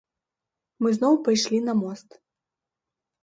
Мы зноў пайшлі на мост.